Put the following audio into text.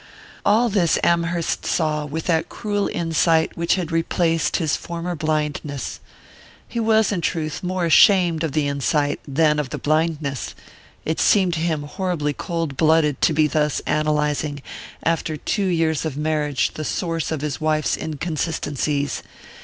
All this Amherst saw with that cruel insight which had replaced his former blindness. He was, in truth, more ashamed of the insight than of the blindness: it seemed to him horribly cold blooded to be thus analyzing, after two years of marriage, the source of his wife's inconsistencies.